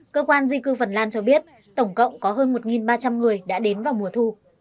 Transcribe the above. cơ quan di cư phần lan cho biết tổng cộng có hơn một ba trăm linh người đã đến vào mùa thu